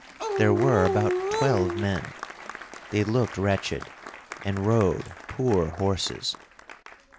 There were about twelve men. They looked wretched, and rode poor horses.